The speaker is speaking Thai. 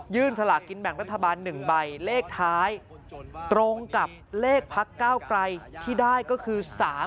สลากินแบ่งรัฐบาล๑ใบเลขท้ายตรงกับเลขพักเก้าไกลที่ได้ก็คือ๓๐